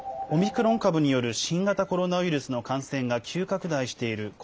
オミクロン株による新型コロナウイルスの感染が急拡大している